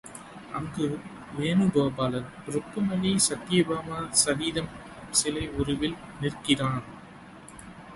அங்கு வேணு கோபாலன் ருக்மணி சத்யபாமா சகிதம் சிலை உருவில் நிற்கிறான்.